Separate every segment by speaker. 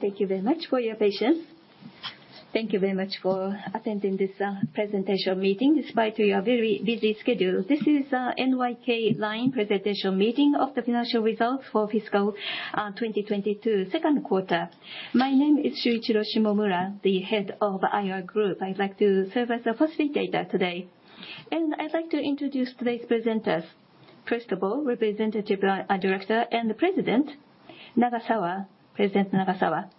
Speaker 1: Thank you very much for your patience. Thank you very much for attending this presentation meeting despite your very busy schedule. This is NYK Line presentation meeting of the financial results for fiscal 2022, second quarter. My name is Shuichiro Shimomura, the Head of IR Group. I'd like to serve as the facilitator today. I'd like to introduce today's presenters. First of all, Representative Director and President Nagasawa. President Nagasawa.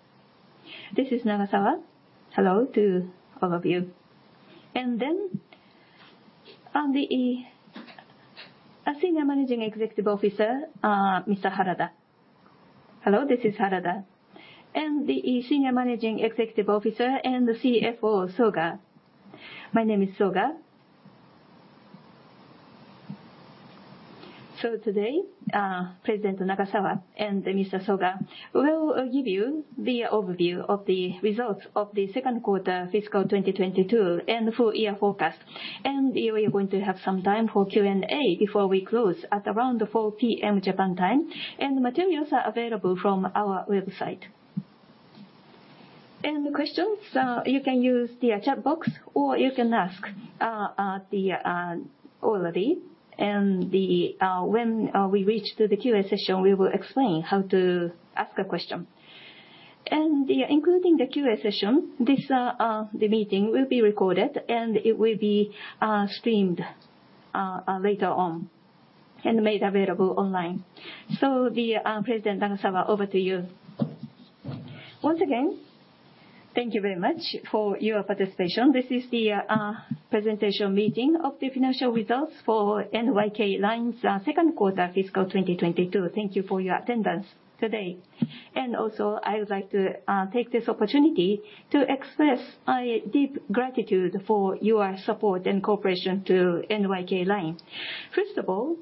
Speaker 2: This is Nagasawa. Hello to all of you.
Speaker 1: Then a Senior Managing Executive Officer, Mr. Harada.
Speaker 3: Hello, this is Harada.
Speaker 1: The Senior Managing Executive Officer and the CFO, Soga.
Speaker 4: My name is Soga.
Speaker 1: Today President Nagasawa and Mr. Soga will give you the overview of the results of the second quarter fiscal 2022, and the full-year forecast. We are going to have some time for Q&A before we close at around 4:00 P.M. Japan time. Materials are available from our website. Questions, you can use the chat box or you can ask orally. When we reach the Q&A session, we will explain how to ask a question. Including the Q&A session, this meeting will be recorded, and it will be streamed later on and made available online. President Nagasawa, over to you.
Speaker 2: Once again, thank you very much for your participation. This is the presentation meeting of the financial results for NYK Line's second quarter fiscal 2022. Thank you for your attendance today. I would like to take this opportunity to express my deep gratitude for your support and cooperation to NYK Line. First of all,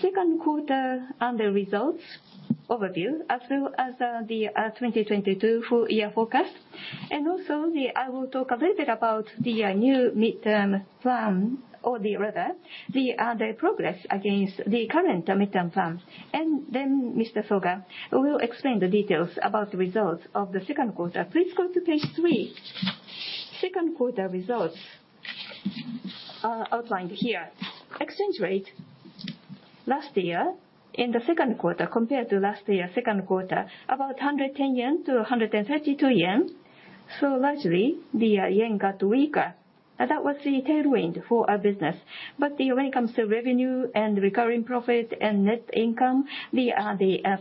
Speaker 2: second quarter and the results overview, as well as the 2022 full-year forecast. I will talk a little bit about the new midterm plan or rather the progress against the current midterm plan. Then Mr. Soga will explain the details about the results of the second quarter. Please go to page three. Second quarter results are outlined here. Exchange rate last year in the second quarter compared to last year second quarter, about 110-132 yen. Largely, the yen got weaker, and that was the tailwind for our business. When it comes to revenue and recurring profit and net income, the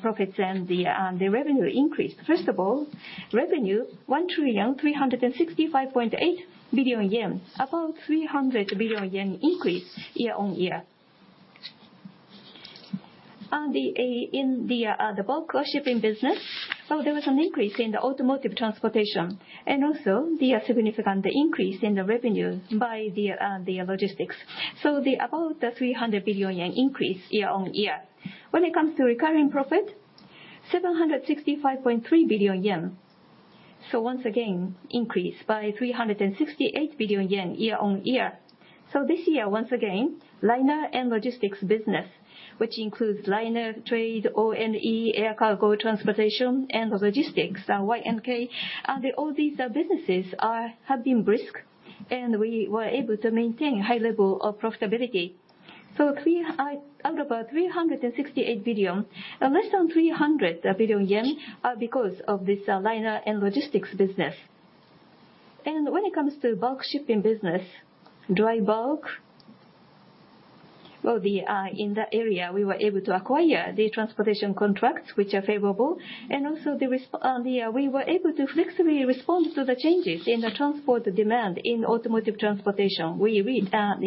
Speaker 2: profits and the revenue increased. First of all, revenue, 1,365.8 billion yen, about 300 billion yen increase year-on-year. In the Bulk Shipping business, there was an increase in the Automotive Transportation and also the significant increase in the revenue by the Logistics. About 300 billion yen increase year-on-year. When it comes to recurring profit, 765.3 billion yen. Once again, increase by 368 billion yen year-on-year. This year, once again, Liner and Logistics business, which includes liner trade, ONE, Air Cargo transportation, and logistics, NYK, all these businesses have been brisk, and we were able to maintain high level of profitability. Out of 368 billion, less than 300 billion yen are because of this Liner and Logistics business. When it comes to Bulk Shipping business, Dry Bulk, in the area, we were able to acquire the transportation contracts which are favorable. We were able to flexibly respond to the changes in the transport demand in automotive transportation. We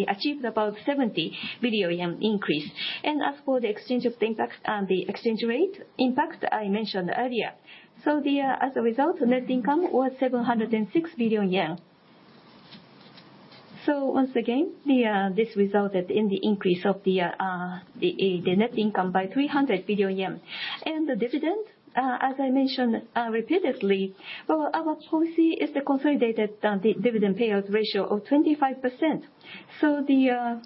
Speaker 2: achieved about 70 billion yen increase. As for the exchange rate impacts, the exchange rate impact I mentioned earlier. As a result, net income was 706 billion yen. Once again, this resulted in the increase of the net income by 300 billion yen. The dividend, as I mentioned repeatedly, well, our policy is the consolidated dividend payout ratio of 25%. The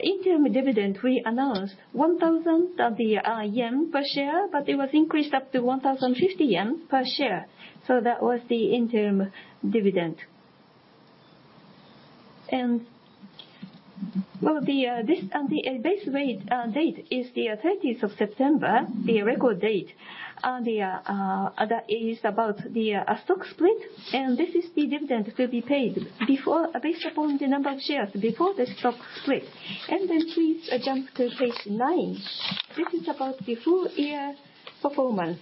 Speaker 2: interim dividend we announced, 1,000 per share, but it was increased up to 1,050 yen per share. That was the interim dividend. Well, the base date is the 30th of September, the record date. That is about the stock split, and this is the dividend to be paid before, based upon the number of shares before the stock split. Please, jump to page nine. This is about the full-year performance.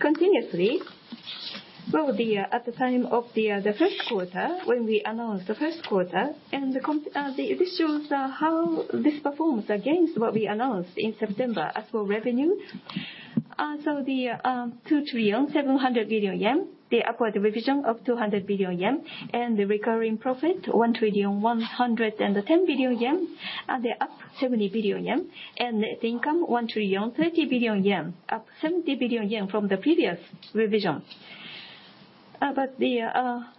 Speaker 2: Continuously, at the time of the first quarter, when we announced the first quarter, this shows how this performs against what we announced in September. As for revenue, the 2.7 trillion, the upward revision of 200 billion yen. The recurring profit, 1.11 trillion, up 70 billion yen. Net income, 1.03 trillion, up 70 billion yen from the previous revision. 112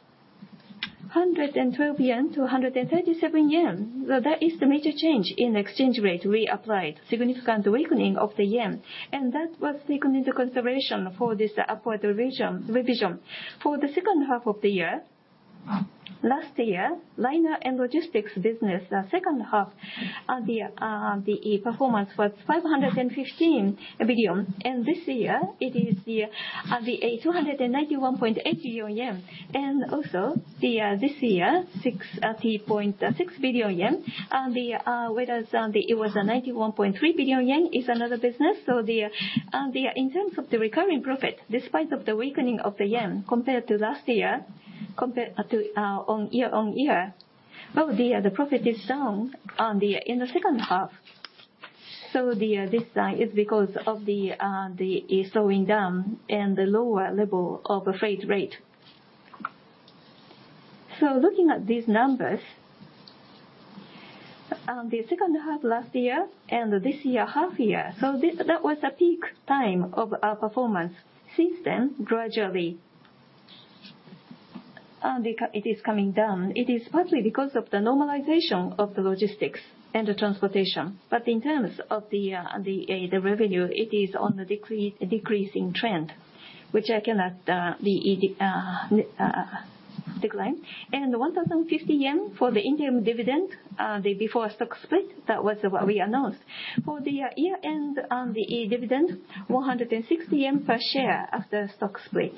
Speaker 2: yen to 137 yen. That is the major change in exchange rate we applied, significant weakening of the yen. That was taken into consideration for this upward revision. For the second half of the year last year, Liner and Logistics business, second half of the performance was 515 billion. This year it is the 891.8 billion yen. This year, 630.6 billion yen. Whereas on the it was 91.3 billion yen is another business. In terms of the recurring profit, despite of the weakening of the yen compared to last year, year-on-year, well, the profit is down in the second half. This is because of the slowing down and the lower level of freight rate. Looking at these numbers, on the second half last year and this year, half year, that was the peak time of our performance. Since then, gradually, it is coming down. It is partly because of the normalization of the logistics and the transportation. But in terms of the revenue, it is on the decreasing trend, which I cannot decline. 1,050 yen for the interim dividend, the before stock split, that was what we announced. For the year-end dividend, 160 yen per share after stock split.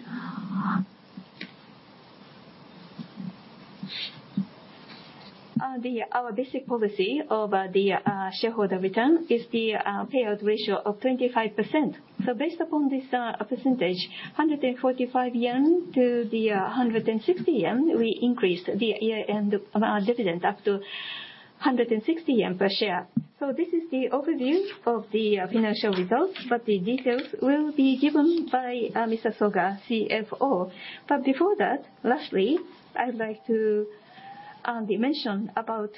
Speaker 2: Our basic policy of shareholder return is the payout ratio of 25%. Based upon this percentage, 145-160 yen, we increased the year-end dividend up to 160 yen per share. This is the overview of the financial results, but the details will be given by Takaya Soga, CFO. Before that, lastly, I'd like to mention about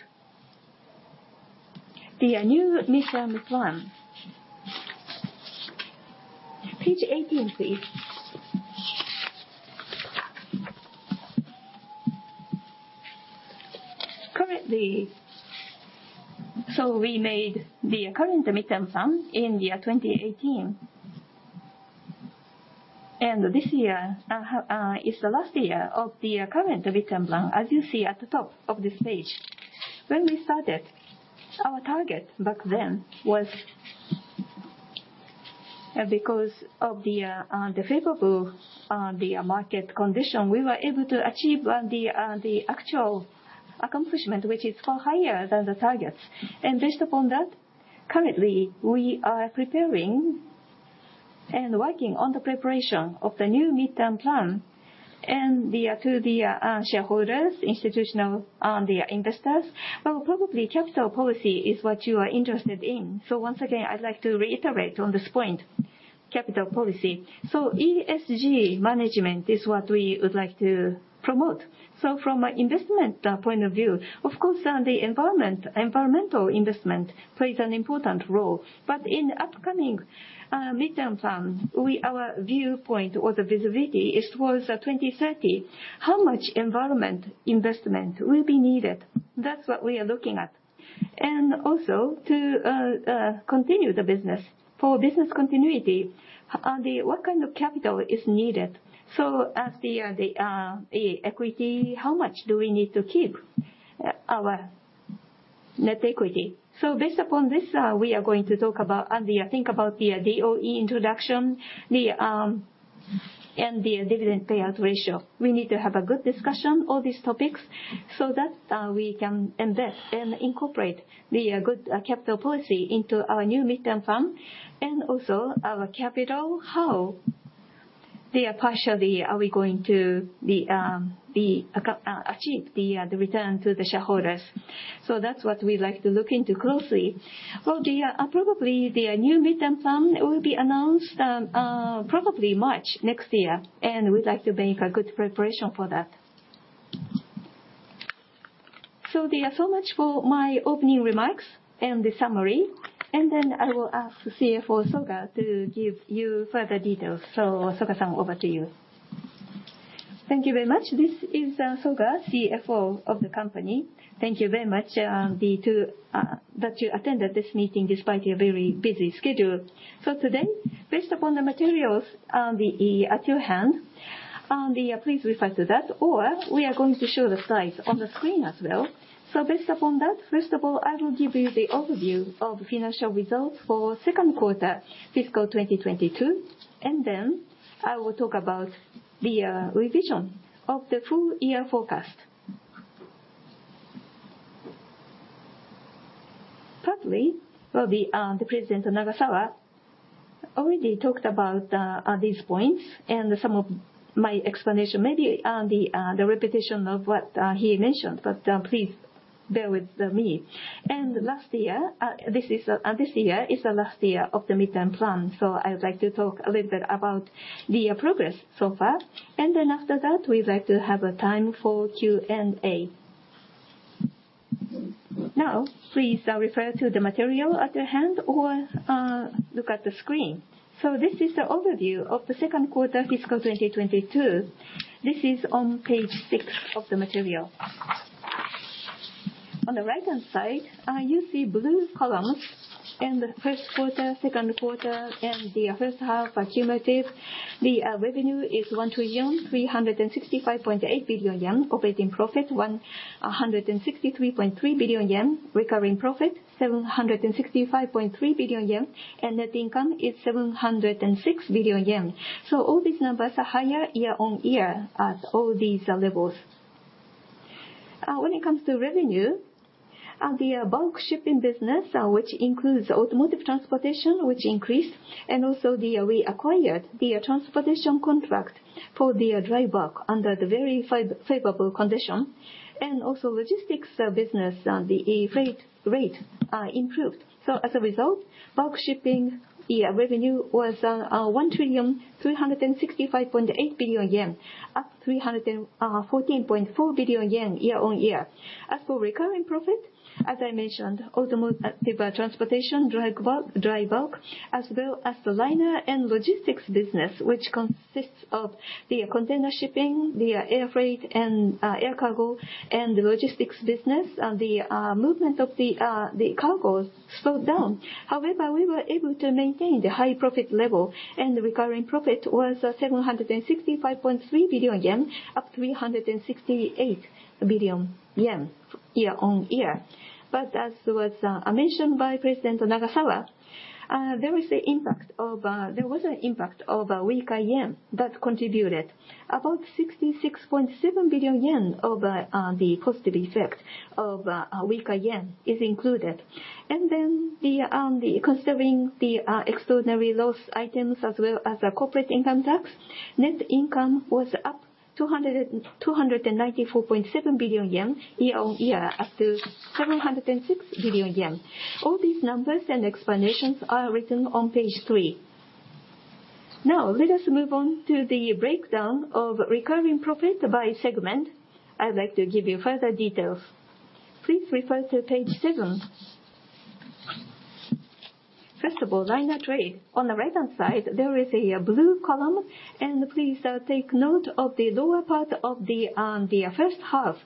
Speaker 2: the new midterm plan. Page 18, please. We made the current midterm plan in year 2018. This year is the last year of the current midterm plan, as you see at the top of this page. When we started, our target back then was, because of the favorable market condition, we were able to achieve the actual accomplishment, which is far higher than the targets. Based upon that, currently we are preparing and working on the preparation of the new midterm plan. To the shareholders, institutional investors, well, probably capital policy is what you are interested in. Once again, I'd like to reiterate on this point, capital policy. ESG management is what we would like to promote. From an investment point of view, of course, environmental investment plays an important role. In upcoming midterm plans, our viewpoint or the visibility is towards 2030, how much environmental investment will be needed? That's what we are looking at. Also to continue the business. For business continuity, what kind of capital is needed? As the equity, how much do we need to keep our net equity? Based upon this, we are going to talk about and think about the DOE introduction, and the dividend payout ratio. We need to have a good discussion all these topics, so that we can invest and incorporate the good capital policy into our new midterm plan. Also our capital, how partially are we going to achieve the return to the shareholders. That's what we like to look into closely. Well, probably the new midterm plan will be announced probably March next year, and we'd like to make a good preparation for that. So much for my opening remarks and the summary, and then I will ask CFO Soga to give you further details. Soga-san, over to you.
Speaker 4: Thank you very much. This is Soga, CFO of the company. Thank you very much that you attended this meeting despite your very busy schedule. Today, based upon the materials at your hand, please refer to that, or we are going to show the slides on the screen as well. Based upon that, first of all, I will give you the overview of financial results for second quarter fiscal 2022, and then I will talk about the revision of the full-year forecast. Partly, well, the President Nagasawa already talked about these points and some of my explanation may be the repetition of what he mentioned, but please bear with me. This year is the last year of the midterm plan. I would like to talk a little bit about the progress so far. Then after that, we'd like to have a time for Q&A. Now, please, refer to the material at hand or look at the screen. This is the overview of the second quarter fiscal 2022. This is on page six of the material. On the right-hand side, you see blue columns. In the first quarter, second quarter, and the first half cumulative, the revenue is 1,365.8 billion yen. Operating profit, 163.3 billion yen. Recurring profit, 765.3 billion yen. And net income is 706 billion yen. All these numbers are higher year-on-year at all these levels. When it comes to revenue, the Bulk Shipping business, which includes Automotive Transportation, which increased, and also, we acquired the transportation contract for the Dry Bulk under the very favorable condition. Logistics Business, the freight rate improved. As a result, Bulk Shipping revenue was 1,365.8 billion yen, up 314.4 billion yen year-on-year. As for recurring profit, as I mentioned, Automotive Transportation, Dry Bulk, as well as the Liner and Logistics business, which consists of the container shipping, the air freight and Air Cargo, and the logistics business, the movement of the cargos slowed down. However, we were able to maintain the high profit level, and the recurring profit was 765.3 billion yen, up 368 billion yen year-on-year. As was mentioned by President Nagasawa, there was an impact of a weaker yen that contributed. About 66.7 billion yen of the positive effect of a weaker yen is included. Then, considering the extraordinary loss items as well as the corporate income tax, net income was up 294.7 billion yen year-on-year, up to 706 billion yen. All these numbers and explanations are written on page three. Now, let us move on to the breakdown of recurring profit by segment. I'd like to give you further details. Please refer to page seven. First of all, Liner Trade. On the right-hand side, there is a blue column, and please take note of the lower part of the first half.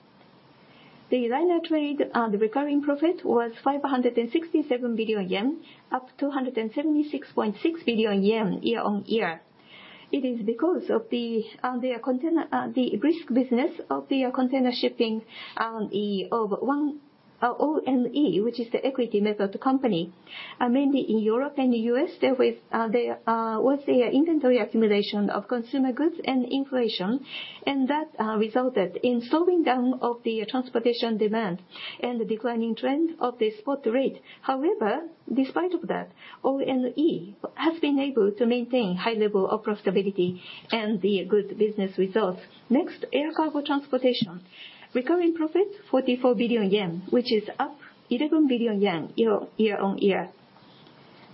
Speaker 4: The Liner Trade, the recurring profit was 567 billion yen, up 276.6 billion yen year-on-year. It is because of the container, the liner business of the container shipping of ONE, which is the equity method company. Mainly in Europe and the U.S., there was an inventory accumulation of consumer goods and inflation, and that resulted in slowing down of the transportation demand and the declining trend of the spot rate. However, despite of that, ONE has been able to maintain high level of profitability and the good business results. Next, Air Cargo Transportation. Recurring profit, 44 billion yen, which is up 11 billion yen year-on-year.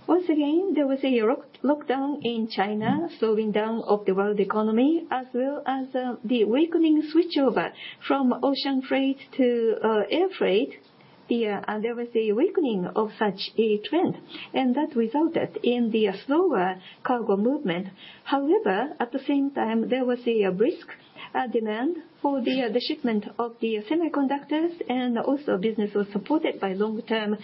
Speaker 4: Once again, there was a zero-COVID lockdown in China, slowing down of the world economy, as well as, the weakening switchover from ocean freight to air freight. There was a weakening of such a trend, and that resulted in the slower cargo movement. However, at the same time, there was a brisk demand for the shipment of the semiconductors, and also business was supported by long-term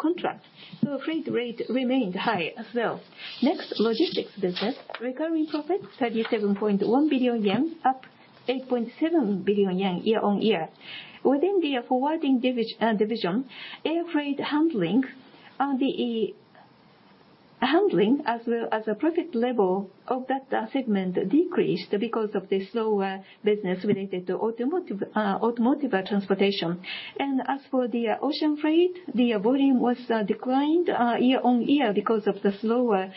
Speaker 4: contracts, so freight rate remained high as well. Next, Logistics Business. Recurring profit, 37.1 billion yen, up 8.7 billion yen year-on-year. Within the forwarding division, air freight handling as well as the profit level of that segment decreased because of the slower business related to automotive transportation. As for the ocean freight, the volume declined year-on-year because of the slower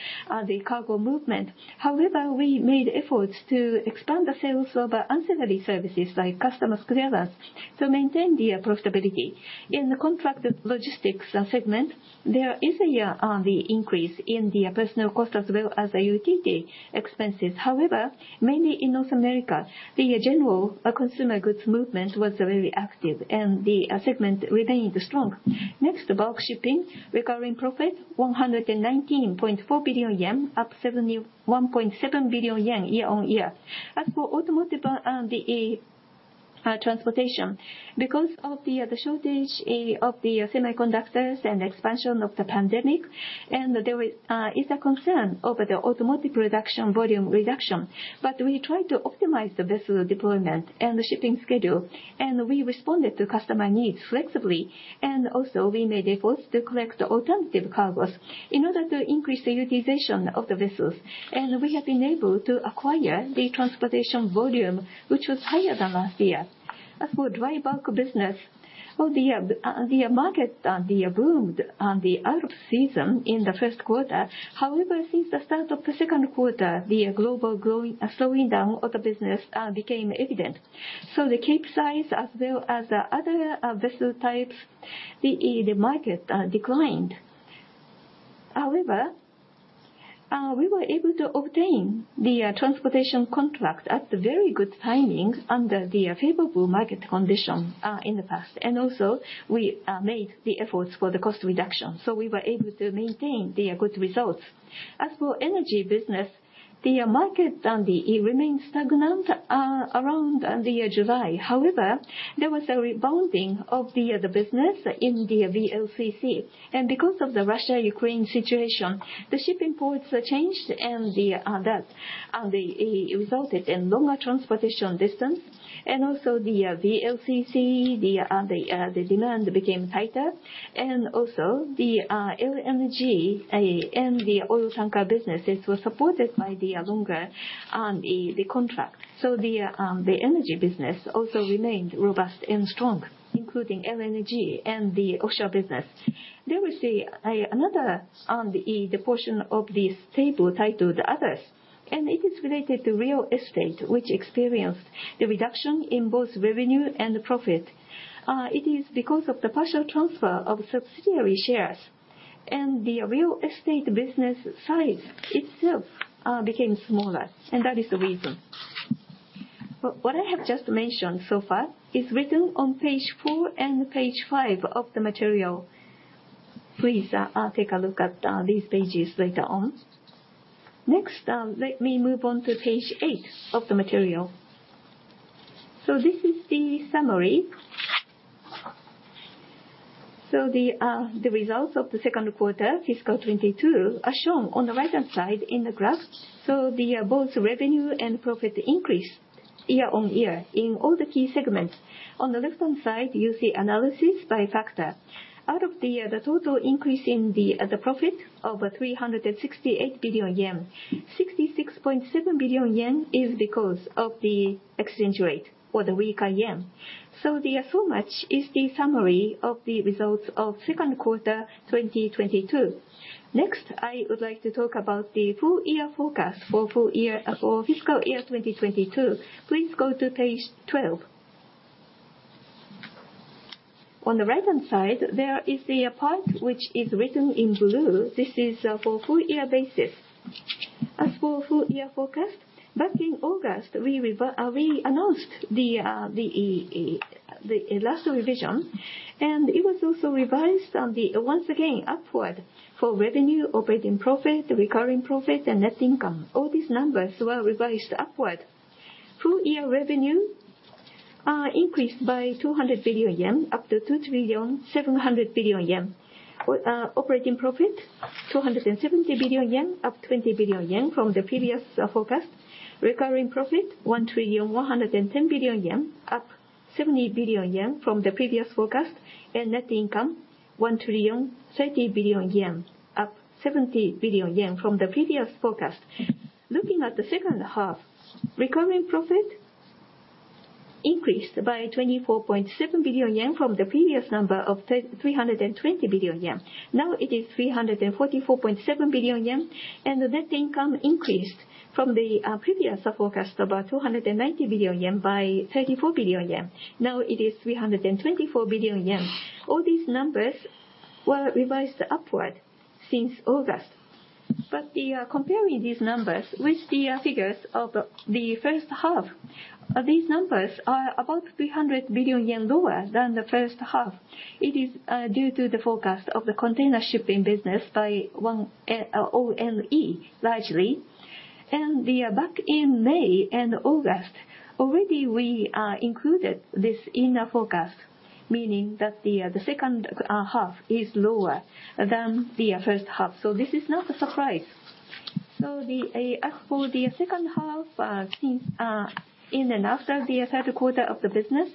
Speaker 4: cargo movement. However, we made efforts to expand the sales of ancillary services like customs clearance to maintain the profitability. In the contract logistics segment, there is the increase in the personnel cost as well as the utility expenses. However, mainly in North America, the general consumer goods movement was very active, and the segment remained strong. Next, Bulk Shipping. Recurring profit, 119.4 billion yen, up 71.7 billion yen year-on-year. As for Automotive transportation, because of the shortage of the semiconductors and expansion of the pandemic, there is a concern over the Automotive production volume reduction. We try to optimize the vessel deployment and the shipping schedule, and we responded to customer needs flexibly. We made efforts to collect alternative cargos in order to increase the utilization of the vessels. We have been able to acquire the transportation volume, which was higher than last year. As for Dry Bulk business, the market boomed in the out-of-season in the first quarter. However, since the start of the second quarter, the global growth slowing down of the business became evident. The capesize as well as the other vessel types, the market declined. However, we were able to obtain the transportation contract at very good timings under the favorable market condition in the past, and also we made the efforts for the cost reduction, so we were able to maintain the good results. As for energy business, the market, it remained stagnant around the July. However, there was a rebounding of the business in the VLCC. Because of the Russia/Ukraine situation, the shipping ports changed and that resulted in longer transportation distance. Also the VLCC demand became tighter. Also the LNG and the oil tanker businesses were supported by the longer the contract. The energy business also remained robust and strong, including LNG and the offshore business. There was another on the portion of this table titled Others, and it is related to real estate, which experienced the reduction in both revenue and profit. It is because of the partial transfer of subsidiary shares. The real estate business size itself became smaller, and that is the reason. What I have just mentioned so far is written on page four and page five of the material. Please take a look at these pages later on. Next, let me move on to page eight of the material. This is the summary. The results of the second quarter fiscal 2022 are shown on the right-hand side in the graph. Both revenue and profit increased year-on-year in all the key segments. On the left-hand side, you see analysis by factor. Out of the total increase in the profit of 368 billion yen, 66.7 billion yen is because of the exchange rate or the weaker yen. The summary is the summary of the results of second quarter 2022. Next, I would like to talk about the full-year forecast for full-year or fiscal year 2022. Please go to page 12. On the right-hand side, there is the part which is written in blue. This is for full-year basis. As for full-year forecast, back in August, we announced the last revision, and it was also revised once again upward for revenue, operating profit, recurring profit and net income. All these numbers were revised upward. Full-year revenue increased by 200 billion yen, up to 2.7 trillion. Operating profit, 270 billion yen, up 20 billion yen from the previous forecast. Recurring profit, 1.11 trillion, up 70 billion yen from the previous forecast. Net income, 1.03 trillion, up 70 billion yen from the previous forecast. Looking at the second half, recurring profit increased by 24.7 billion yen from the previous number of 320 billion yen. Now it is 344 billion yen, and the net income increased from the previous forecast about 290 billion yen by 34 billion yen. Now it is 324 billion yen. All these numbers were revised upward since August. Comparing these numbers with the figures of the first half, these numbers are about 300 billion yen lower than the first half. It is due to the forecast of the container shipping business of ONE, largely. Back in May and August, already we included this in our forecast, meaning that the second half is lower than the first half. This is not a surprise. For the second half, since in and after the third quarter of the business,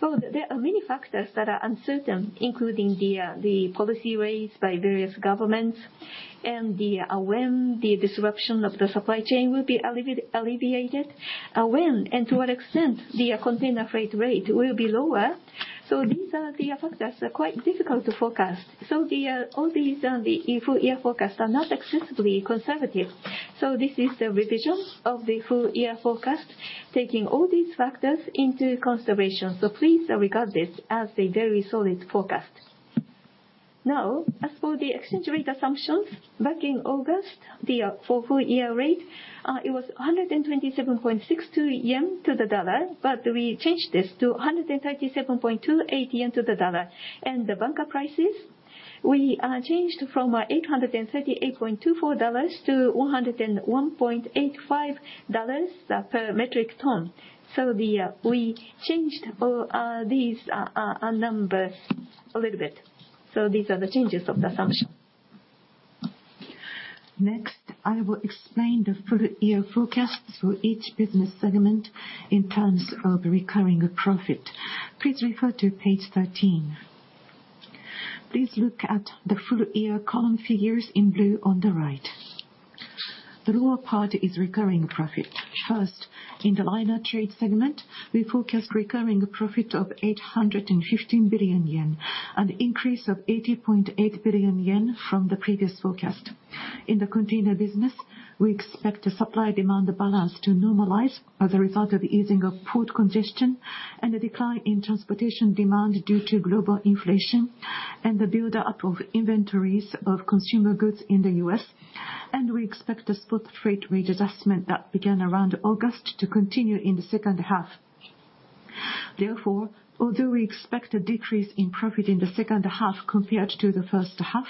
Speaker 4: there are many factors that are uncertain, including the policy rates by various governments and when the disruption of the supply chain will be alleviated, when and to what extent the container freight rate will be lower. These are the factors that are quite difficult to forecast. All these and the full-year forecast are not excessively conservative. This is the revision of the full-year forecast, taking all these factors into consideration. Please regard this as a very solid forecast. Now, as for the exchange rate assumptions, back in August, the full-year rate, it was 127.62 yen to the dollar, but we changed this to 137.28 yen to the dollar. The bunker prices, we changed from $838.24 to $101.85 per metric ton. We changed these number a little bit. These are the changes of the assumption. Next, I will explain the full-year forecast for each business segment in terms of recurring profit. Please refer to page 13. Please look at the full-year column figures in blue on the right. The lower part is recurring profit. First, in the liner trade segment, we forecast recurring profit of 815 billion yen, an increase of 80.8 billion yen from the previous forecast. In the container business, we expect the supply-demand balance to normalize as a result of the easing of port congestion and the decline in transportation demand due to global inflation and the buildup of inventories of consumer goods in the US. We expect the spot freight rate adjustment that began around August to continue in the second half. Therefore, although we expect a decrease in profit in the second half compared to the first half,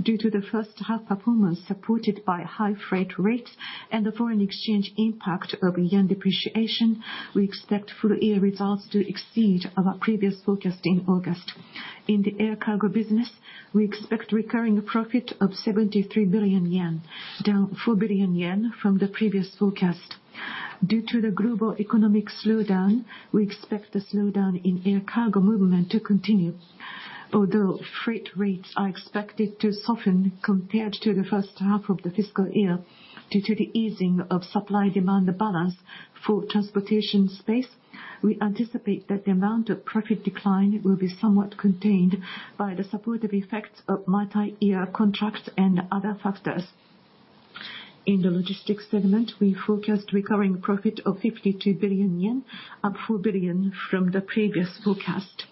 Speaker 4: due to the first half performance supported by high freight rates and the foreign exchange impact of yen depreciation, we expect full-year results to exceed our previous forecast in August. In the Air Cargo business, we expect recurring profit of 73 billion yen, down 4 billion yen from the previous forecast. Due to the global economic slowdown, we expect the slowdown in air cargo movement to continue. Although freight rates are expected to soften compared to the first half of the fiscal year due to the easing of supply-demand balance for transportation space, we anticipate that the amount of profit decline will be somewhat contained by the supportive effects of multi-year contracts and other factors. In the logistics segment, we forecast recurring profit of 52 billion yen, up 4 billion from the previous forecast.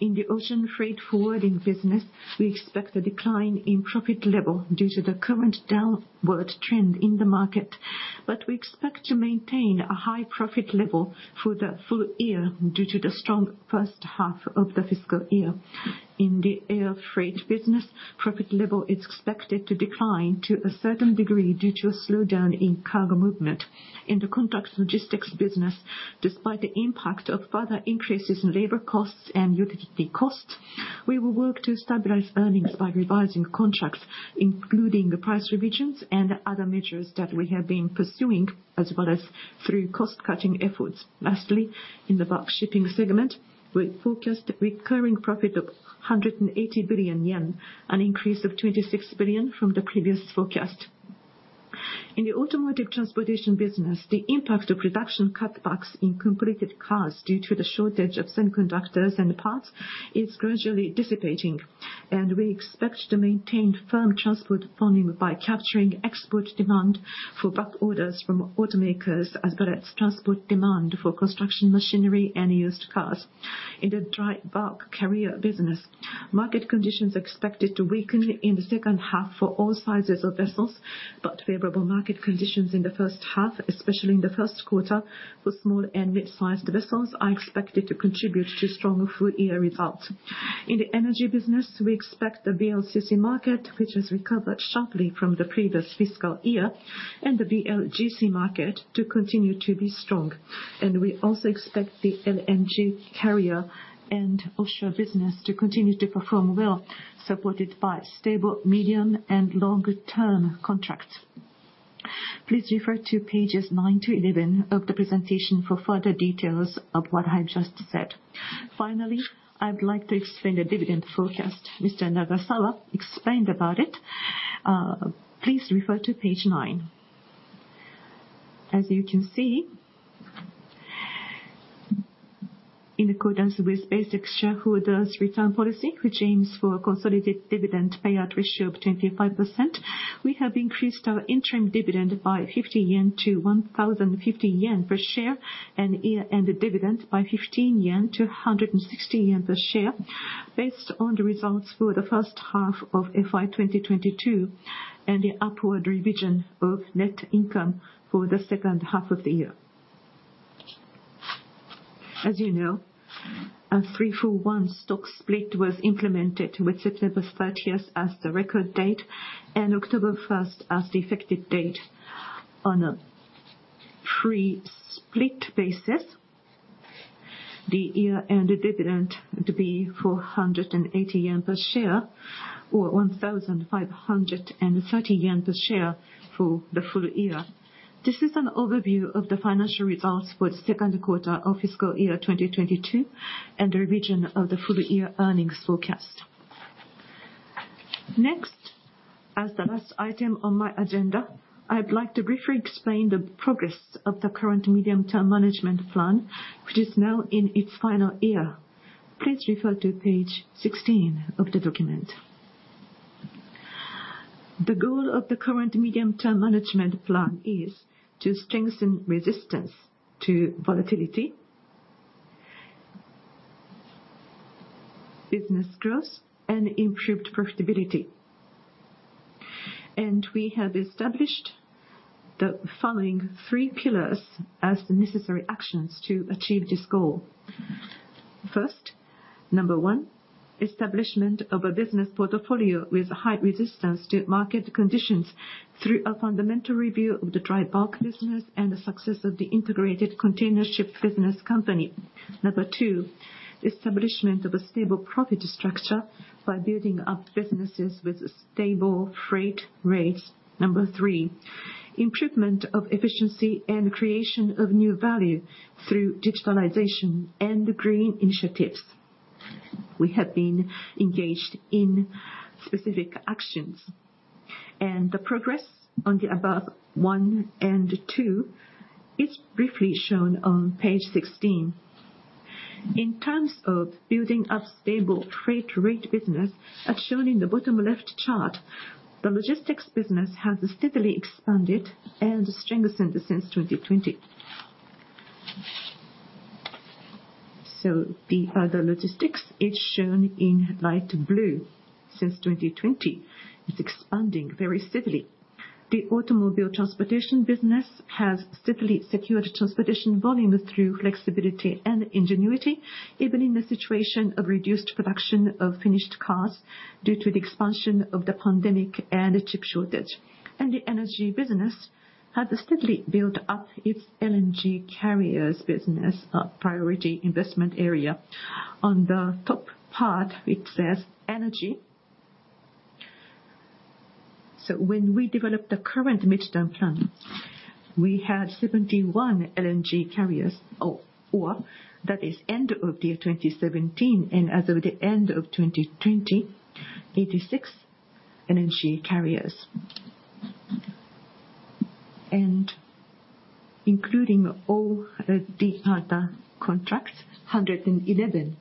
Speaker 4: In the Ocean Freight forwarding business, we expect a decline in profit level due to the current downward trend in the market, but we expect to maintain a high profit level for the full-year due to the strong first half of the fiscal year. In the Air Freight business, profit level is expected to decline to a certain degree due to a slowdown in cargo movement. In the Contract Logistics business, despite the impact of further increases in labor costs and utility costs, we will work to stabilize earnings by revising contracts, including the price revisions and other measures that we have been pursuing, as well as through cost-cutting efforts. Lastly, in the Bulk Shipping segment, we forecast a recurring profit of 180 billion yen, an increase of 26 billion from the previous forecast. In the Automotive Transportation business, the impact of production cutbacks in completed cars due to the shortage of semiconductors and parts is gradually dissipating, and we expect to maintain firm transport planning by capturing export demand for back orders from automakers, as well as transport demand for construction machinery and used cars. In the Dry Bulk carrier business, market conditions are expected to weaken in the second half for all sizes of vessels, but favorable market conditions in the first half, especially in the first quarter for small and mid-sized vessels, are expected to contribute to stronger full-year results. In the energy business, we expect the VLCC market, which has recovered sharply from the previous fiscal year, and the VLGC market to continue to be strong. We also expect the LNG carrier and offshore business to continue to perform well, supported by stable medium and longer term contracts. Please refer to pages 9-11 of the presentation for further details of what I just said. Finally, I would like to explain the dividend forecast. Mr. Nagasawa explained about it. Please refer to page nine. As you can see, in accordance with basic shareholders' return policy, which aims for a consolidated dividend payout ratio of 25%, we have increased our interim dividend by 50 yen to 1,050 yen per share, and year-end dividend by 15 yen to 160 yen per share, based on the results for the first half of FY 2022, and the upward revision of net income for the second half of the year. As you know, a 3-for-1 stock split was implemented with September 30th as the record date and October 1st as the effective date. On a pre-split basis, the year-end dividend to be 480 yen per share, or 1,530 yen per share for the full-year. This is an overview of the financial results for the second quarter of fiscal year 2022, and the revision of the full-year earnings forecast. Next, as the last item on my agenda, I would like to briefly explain the progress of the current Medium-Term Management Plan, which is now in its final year. Please refer to page 16 of the document. The goal of the current Medium-Term Management Plan is to strengthen resistance to volatility, business growth, and improved profitability. We have established the following three pillars as the necessary actions to achieve this goal. First, number one, establishment of a business portfolio with high resistance to market conditions through a fundamental review of the Dry Bulk business and the success of the integrated container ship business company. Number two, establishment of a stable profit structure by building up businesses with stable freight rates. Number three, improvement of efficiency and creation of new value through digitalization and green initiatives. We have been engaged in specific actions. The progress on the above one and two is briefly shown on page 16. In terms of building up stable freight rate business, as shown in the bottom left chart, the logistics business has steadily expanded and strengthened since 2020. The logistics is shown in light blue since 2020. It's expanding very steadily. The automobile transportation business has steadily secured transportation volume through flexibility and ingenuity, even in the situation of reduced production of finished cars due to the expansion of the pandemic and chip shortage. The energy business has steadily built up its LNG carriers business, a priority investment area. On the top part, it says energy. When we developed the current midterm plan, we had 71 LNG carriers, or that is end of the year 2017, and as of the end of 2020, 86 LNG carriers. Including all the data contracts, 111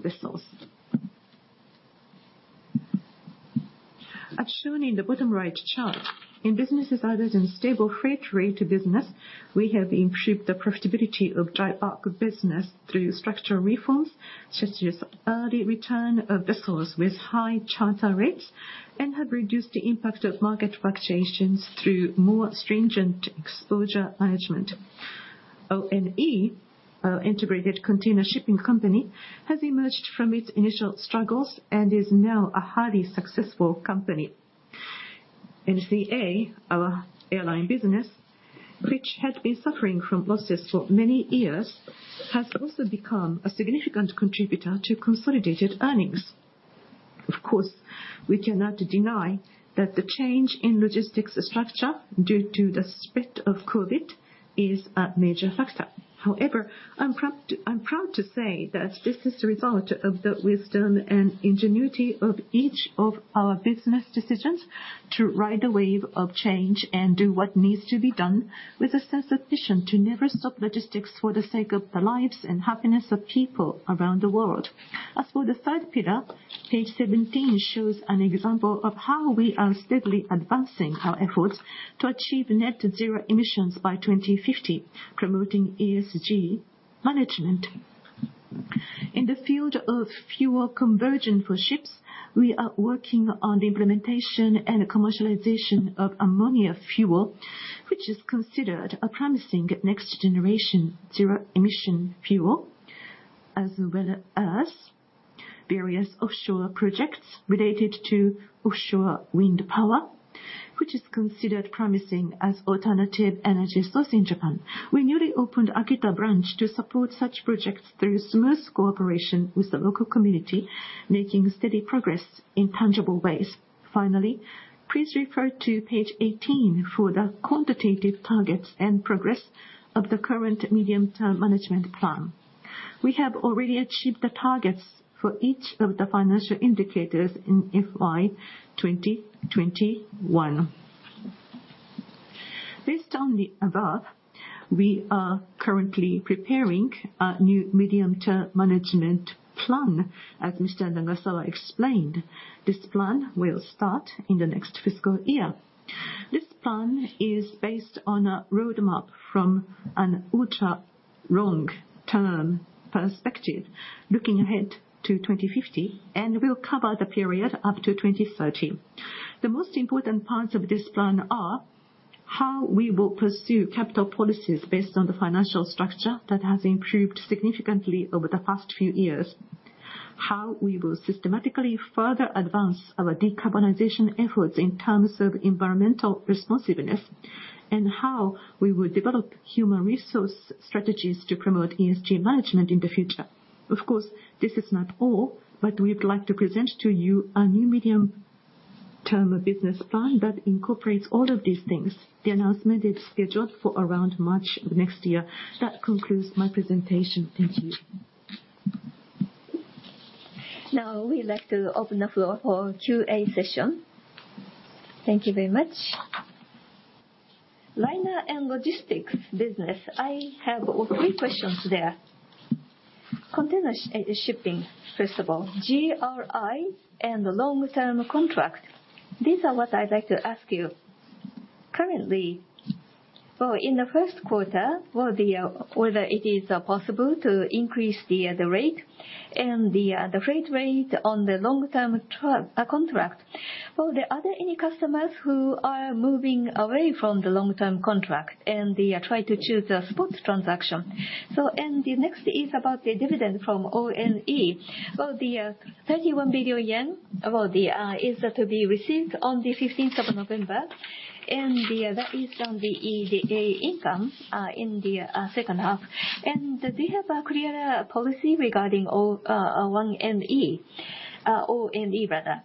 Speaker 4: vessels. As shown in the bottom right chart, in businesses other than stable freight rate business, we have improved the profitability of dry bulk business through structural reforms, such as early return of vessels with high charter rates, and have reduced the impact of market fluctuations through more stringent exposure management. ONE, our integrated container shipping company, has emerged from its initial struggles and is now a highly successful company. NCA, our airline business, which had been suffering from losses for many years, has also become a significant contributor to consolidated earnings. Of course, we cannot deny that the change in logistics structure due to the spread of COVID is a major factor. However, I'm proud to say that this is the result of the wisdom and ingenuity of each of our business decisions to ride the wave of change and do what needs to be done with a sense of mission to never stop logistics for the sake of the lives and happiness of people around the world. As for the third pillar, page 17 shows an example of how we are steadily advancing our efforts to achieve net zero emissions by 2050, promoting ESG management. In the field of fuel conversion for ships, we are working on the implementation and commercialization of ammonia fuel, which is considered a promising next-generation zero-emission fuel, as well as various offshore projects related to offshore wind power, which is considered promising as alternative energy source in Japan. We newly opened Akita branch to support such projects through smooth cooperation with the local community, making steady progress in tangible ways. Finally, please refer to page 18 for the quantitative targets and progress of the current Medium-Term Management Plan. We have already achieved the targets for each of the financial indicators in FY 2021. Based on the above, we are currently preparing a new Medium-Term Management Plan, as Mr. Nagasawa explained. This plan will start in the next fiscal year. This plan is based on a roadmap from an ultra-long-term perspective, looking ahead to 2050, and will cover the period up to 2030. The most important parts of this plan are how we will pursue capital policies based on the financial structure that has improved significantly over the past few years, how we will systematically further advance our decarbonization efforts in terms of environmental responsiveness, and how we will develop human resource strategies to promote ESG management in the future. Of course, this is not all, but we would like to present to you a new medium-term business plan that incorporates all of these things. The announcement is scheduled for around March of next year. That concludes my presentation. Thank you.
Speaker 1: Now, we'd like to open the floor for Q&A session.
Speaker 5: Thank you very much. Liner and Logistics business, I have three questions there. Container shipping, first of all, GRI and long-term contract. These are what I'd like to ask you. Currently. Well, in the first quarter, whether it is possible to increase the rate and the freight rate on the long-term contract. Are there any customers who are moving away from the long-term contract and they try to choose a spot transaction? The next is about the dividend from ONE. Will the 31 billion yen be received on the 15th of November, and that is from the equity income in the second half. Do you have a clear policy regarding ONE and ESG? ONE, rather.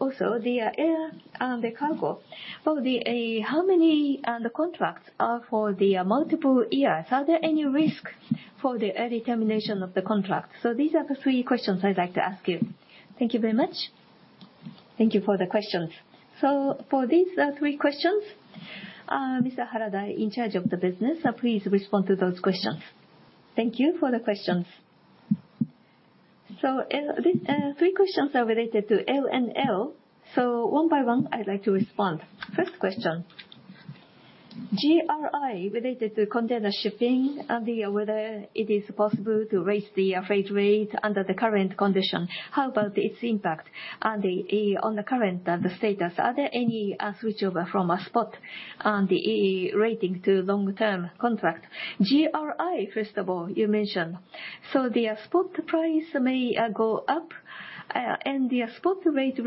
Speaker 5: Also, the air cargo. Will the How many, the contracts are for the multiple years? Are there any risk for the early termination of the contract? These are the three questions I'd like to ask you. Thank you very much.
Speaker 1: Thank you for the questions. For these three questions, Mr. Harada, in charge of the business, please respond to those questions.
Speaker 3: Thank you for the questions. The three questions are related to L&L, so one by one I'd like to respond. First question, GRI related to container shipping and the whether it is possible to raise the freight rate under the current condition, how about its impact and the on the current status? Are there any switchover from a spot on the rating to long-term contract? GRI, first of all, you mentioned. The spot price may go up, and the spot rate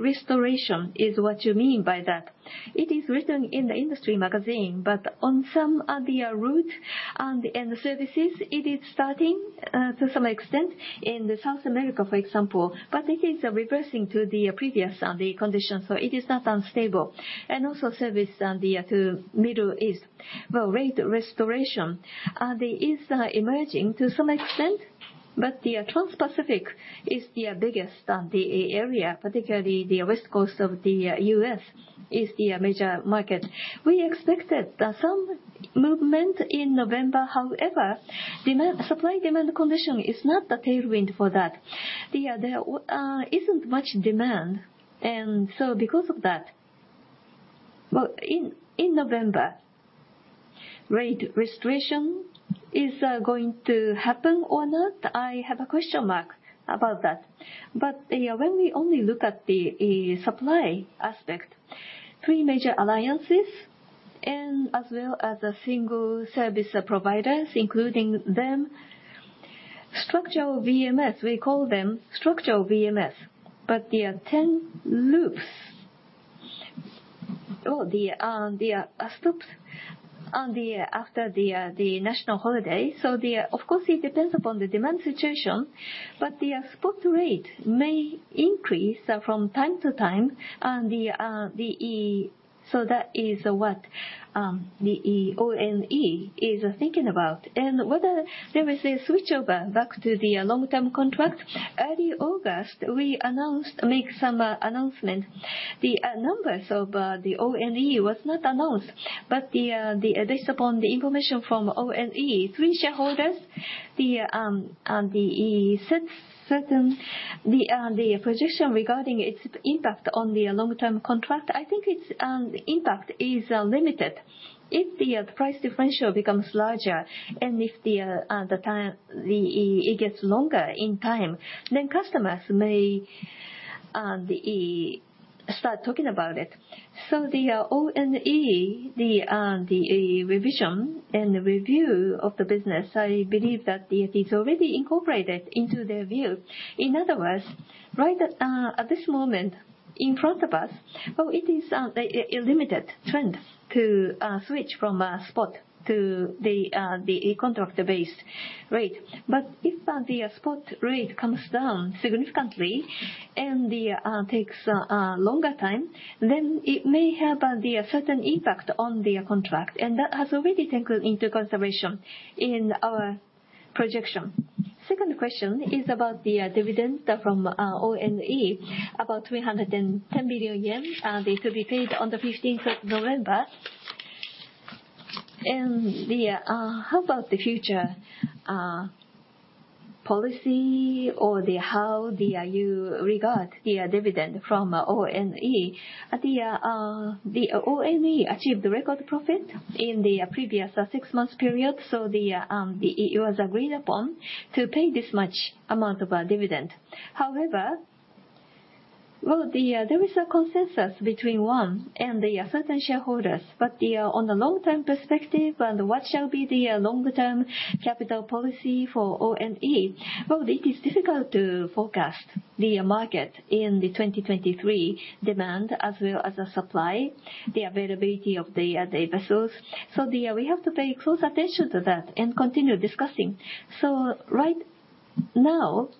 Speaker 3: restoration is what you mean by that. It is written in the industry magazine, but on some of the route and services, it is starting to some extent in South America, for example. It is reversing to the previous conditions, so it is not unstable. Also service on the route to Middle East. The rate restoration there is emerging to some extent, but the Trans-Pacific is the biggest area, particularly the West Coast of the U.S. is the major market. We expected some movement in November, however, demand, supply-demand condition is not the tailwind for that. There isn't much demand and so because of that, well, in November, rate restoration is going to happen or not, I have a question mark about that. When we only look at the supply aspect, three major alliances and as well as the single service providers, including them, structural VMS, we call them structural VMS, but they are ten loops. They are stopped after the national holiday. Of course it depends upon the demand situation. The spot rate may increase from time to time, so that is what the ONE is thinking about. Whether there is a switchover back to the long-term contract, early August we announced make some announcement. The numbers of the ONE was not announced, but based upon the information from ONE, three shareholders, the position regarding its impact on the long-term contract, I think its impact is limited. If the price differential becomes larger and if the time it gets longer in time, then customers may start talking about it. The ONE, the revision and review of the business, I believe that it's already incorporated into their view. In other words, right at this moment in front of us, well, it is a limited trend to switch from spot to the contract-based rate. If the spot rate comes down significantly and it takes a longer time, then it may have a certain impact on the contract, and that has already been taken into consideration in our projection. Second question is about the dividend from ONE, about 310 billion yen to be paid on the fifteenth of November. How about the future policy or how you regard the dividend from ONE? The ONE achieved record profit in the previous six months period, so it was agreed upon to pay this much amount of dividend. However, there is a consensus between ONE and the certain shareholders. On the long-term perspective and what shall be the long-term capital policy for ONE, well, it is difficult to forecast the market in the 2023 demand as well as the supply, the availability of the vessels. We have to pay close attention to that and continue discussing. Right now,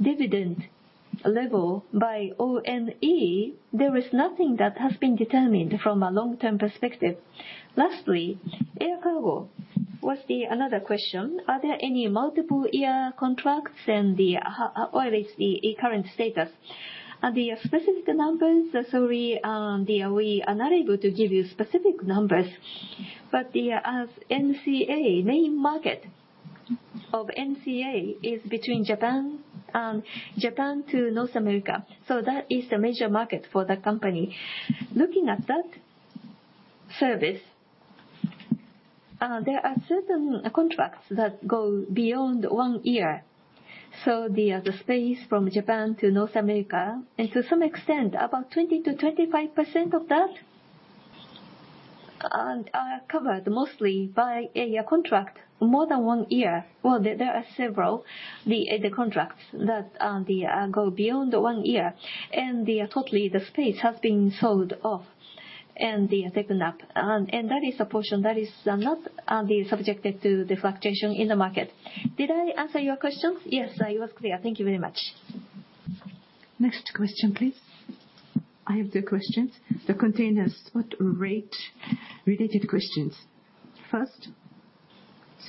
Speaker 3: dividend level by ONE, there is nothing that has been determined from a long-term perspective. Lastly, Air Cargo was another question. Are there any multiple year contracts and the or is the current status? The specific numbers, sorry, we are not able to give you specific numbers. NCA, main market of NCA is between Japan to North America, so that is the major market for the company. Looking at that service, there are certain contracts that go beyond one year. The space from Japan to North America, and to some extent about 20-25% of that, are covered mostly by a contract more than one year. There are several contracts that go beyond one year. The total space has been sold-off and taken up. That is a portion that is not subjected to the fluctuation in the market. Did I answer your questions?
Speaker 5: Yes, it was clear. Thank you very much.
Speaker 1: Next question, please.
Speaker 6: I have the questions. The container spot rate related questions. First,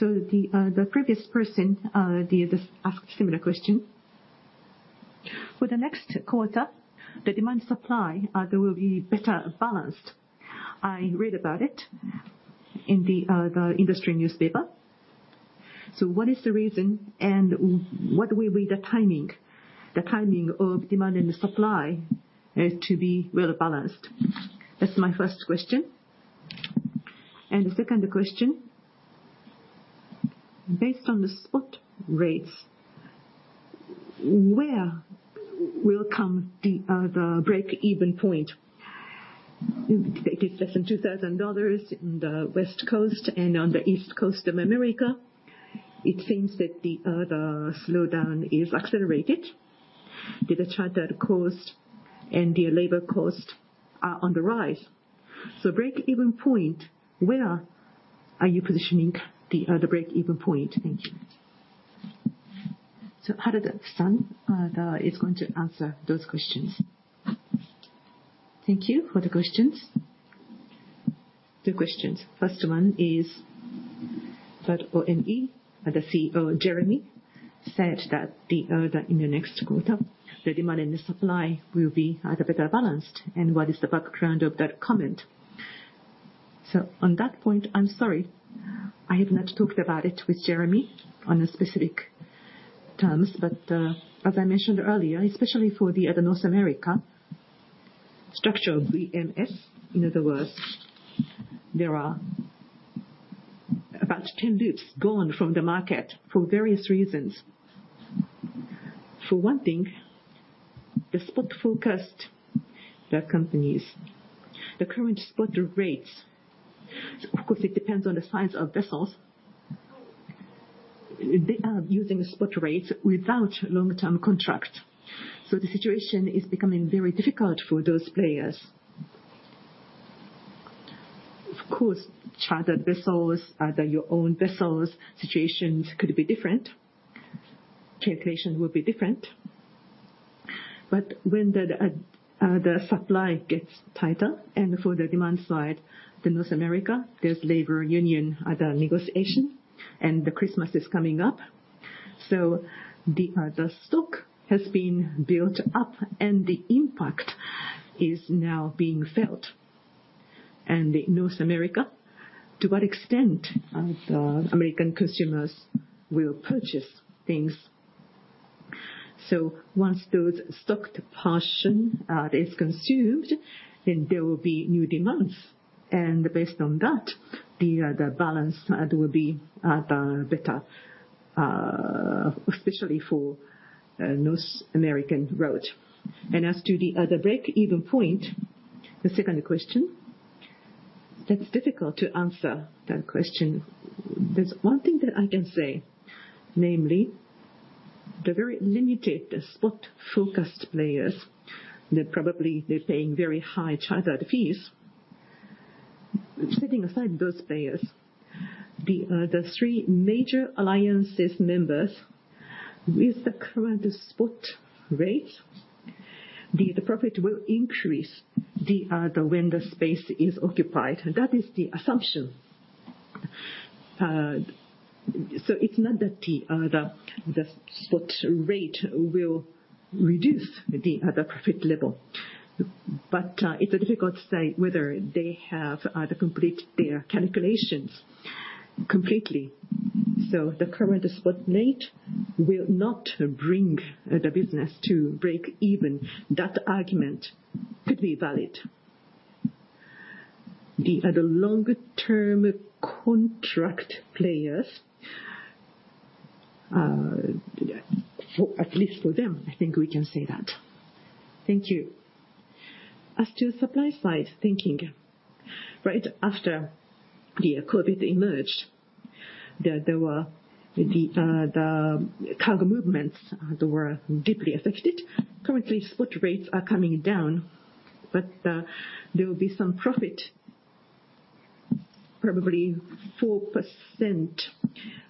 Speaker 6: the previous person, they just asked similar question. For the next quarter, the demand supply, they will be better balanced. I read about it in the industry newspaper. What is the reason, and what will be the timing, the timing of demand and the supply, to be well-balanced? That's my first question. The second question, based on the spot rates, where will come the breakeven point? It is less than $2,000 in the West Coast and on the East Coast of America. It seems that the slowdown is accelerated. The charter cost and the labor cost are on the rise. Breakeven point, where are you positioning the breakeven point? Thank you.
Speaker 1: Harada-san is going to answer those questions.
Speaker 3: Thank you for the questions. Two questions. First one is that ONE, the CEO, Jeremy, said that in the next quarter, the demand and the supply will be at a better balanced. What is the background of that comment? On that point, I'm sorry, I have not talked about it with Jeremy on the specific terms. As I mentioned earlier, especially for the North America structure of VMS, in other words, there are about 10 loops gone from the market for various reasons. For one thing, the spot-focused companies, the current spot rates, of course it depends on the size of vessels. They are using spot rates without long-term contract, so the situation is becoming very difficult for those players. Of course, chartered vessels, their own vessels, situations could be different. Calculation will be different. When the supply gets tighter and for the demand side, North America, there's labor union, the negotiation, and Christmas is coming up. The stock has been built up and the impact is now being felt. In North America, to what extent the American consumers will purchase things. Once those stocked portion is consumed, there will be new demands. Based on that, the balance there will be better, especially for North American route. As to the breakeven point, the second question, that's difficult to answer that question. There's one thing that I can say, namely, the very limited spot-focused players that probably they're paying very high chartered fees. Setting aside those players, the three major alliances members with the current spot rate, the profit will increase when the space is occupied, that is the assumption. It's not that the spot rate will reduce the profit level, but it's difficult to say whether they have completed their calculations completely. The current spot rate will not bring the business to breakeven. That argument could be valid. The longer term contract players, at least for them, I think we can say that. Thank you. As to supply side thinking, right after the COVID emerged, there were the cargo movements, they were deeply affected. Currently, spot rates are coming down, but there will be some profit, probably 4%,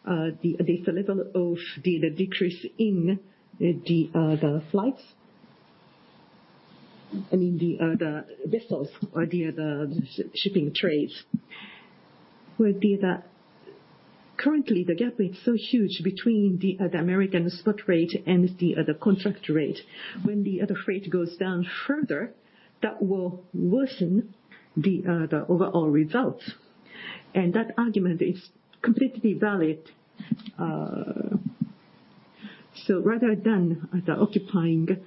Speaker 3: the level of the decrease in the flights. I mean, the vessels or the shipping trades. Currently, the gap is so huge between the American spot rate and the contract rate. When the freight goes down further, that will worsen the overall results. That argument is completely valid, so rather than the occupying,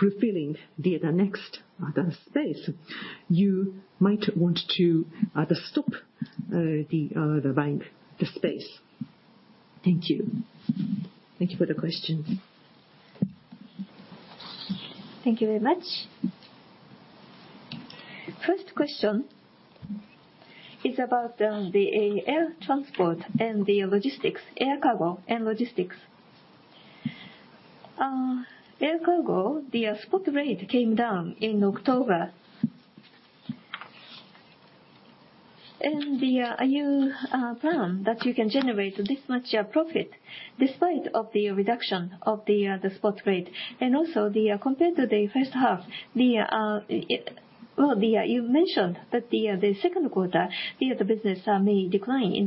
Speaker 3: refilling the next space, you might want to stop the buying the space. Thank you. Thank you for the questions.
Speaker 1: Thank you very much.
Speaker 7: First question is about the air transport and the logistics, Air Cargo and logistics. Air Cargo, the spot rate came down in October. The plan that you can generate this much profit. Despite of the reduction of the spot rate and also compared to the first half, well, you mentioned that the second quarter the business may decline in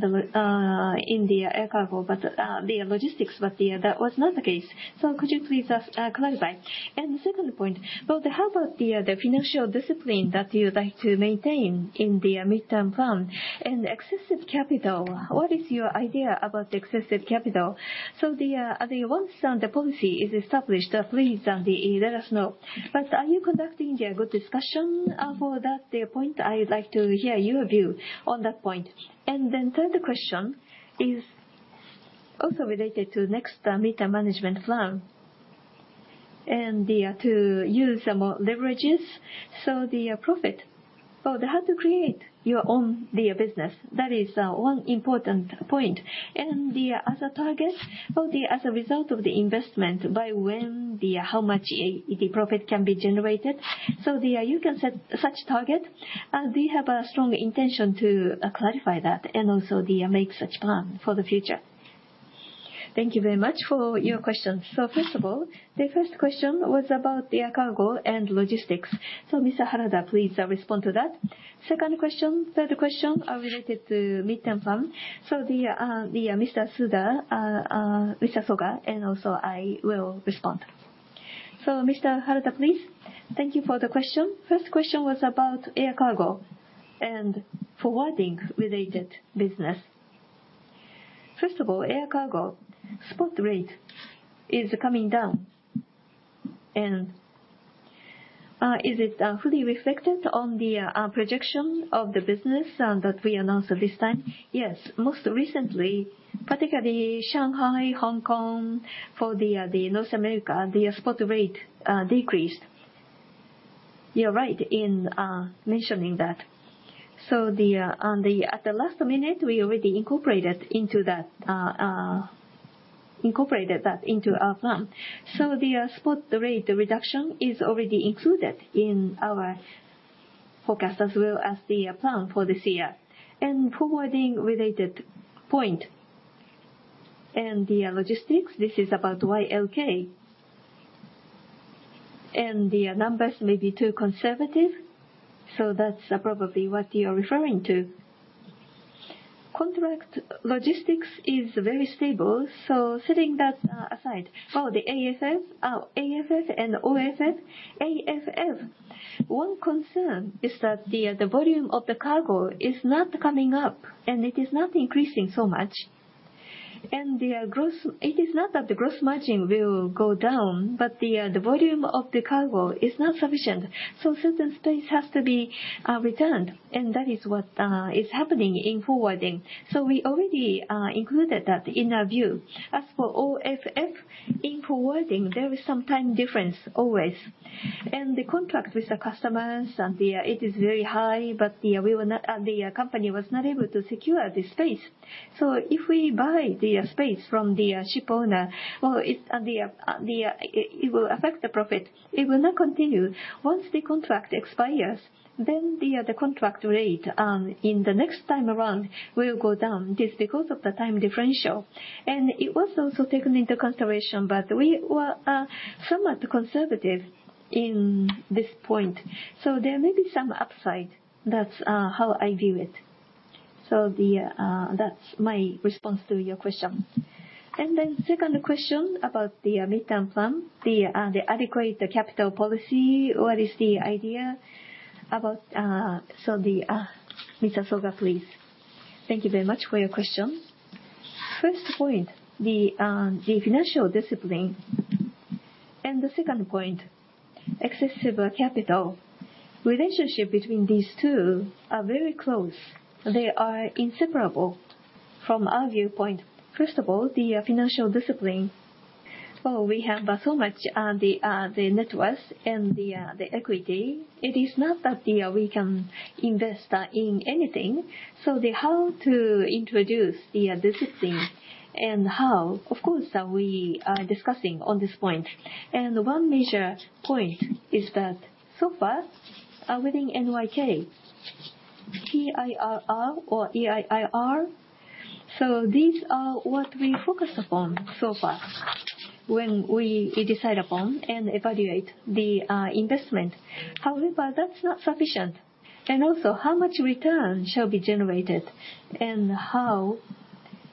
Speaker 7: the Air Cargo and the logistics, but that was not the case. Could you please clarify? The second point, well, how about the financial discipline that you'd like to maintain in the midterm plan and excess capital? What is your idea about excess capital? Once the policy is established, please let us know. Are you conducting a good discussion for that point? I would like to hear your view on that point. Third question is also related to next midterm management plan. To use some more leverages. The profit. They have to create their own business. That is one important point. As a target or as a result of the investment, by when, how much the profit can be generated. You can set such target. Do you have a strong intention to clarify that and also make such plan for the future?
Speaker 1: Thank you very much for your questions. First of all, the first question was about the Air Cargo and logistics. Mr. Harada, please respond to that. Second question, third question are related to midterm plan. Mr. Soga, and also I will respond. Mr. Harada, please.
Speaker 3: Thank you for the question. First question was about Air Cargo and Forwarding-related business. First of all, Air Cargo spot rate is coming down and is it fully reflected in the projection of the business that we announced at this time? Yes. Most recently, particularly Shanghai, Hong Kong, for North America, the spot rate decreased. You're right in mentioning that. At the last minute, we already incorporated that into our plan. So, the spot rate reduction is already included in our forecast as well as the plan for this year. Forwarding related point and the logistics, this is about Yusen Logistics. The numbers may be too conservative, so that's probably what you're referring to. Contract logistics is very stable, so setting that aside. For the AFF and OFF, one concern is that the volume of the cargo is not coming up and it is not increasing so much. The growth, it is not that the gross margin will go down, but the volume of the cargo is not sufficient. Certain space has to be returned, and that is what is happening in forwarding. We already included that in our view. As for OFF, in forwarding, there is some time difference always. The contract with the customers and the utilization is very high, but the company was not able to secure the space. If we buy the space from the ship owner, well, it will affect the profit. It will not continue. Once the contract expires, then the contract rate in the next time around will go down. This because of the time differential. It was also taken into consideration, but we were somewhat conservative in this point. There may be some upside. That's how I view it. That's my response to your question.
Speaker 1: Then second question about the midterm plan, the adequate capital policy. What is the idea about? Mr. Soga, please.
Speaker 4: Thank you very much for your question. First point, the financial discipline, and the second point, excessive capital. Relationship between these two are very close. They are inseparable from our viewpoint. First of all, the financial discipline. Well, we have so much the net worth and the equity. It is not that we can invest in anything. How to introduce the discipline and how, of course, we are discussing on this point. One major point is that so far, within NYK, TIR or AIR, so these are what we focused upon so far when we decide upon and evaluate the investment. However, that's not sufficient. Also, how much return shall be generated and how